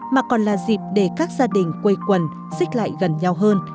mà còn là dịp để các gia đình quây quần xích lại gần nhau hơn